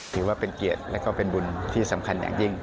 ถือว่าเป็นเกียรติและก็เป็นบุญที่สำคัญอย่างยิ่ง